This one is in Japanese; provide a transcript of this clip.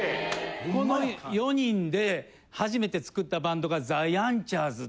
４人で初めて作ったバンドがザ・ヤンチャーズ。